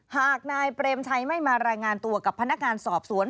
หากนายเปรมชัยไม่มารายงานตัวกับพนักงานสอบสวน